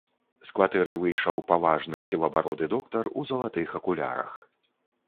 З кватэры выйшаў паважаны сівабароды доктар у залатых акулярах.